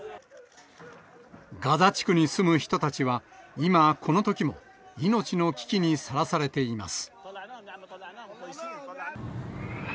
ガザ地区に住む人たちは今、この時も命の危機にさらされています。